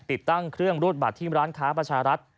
ติดตั้งเครื่องรูดบัตรที่ร้านค้าประชารัฐ